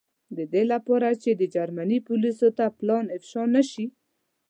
د دې له پاره چې د جرمني پولیسو ته پلان افشا نه شي.